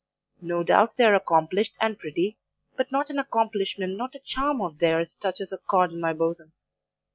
No doubt they are accomplished and pretty; but not an accomplishment, not a charm of theirs, touches a chord in my bosom.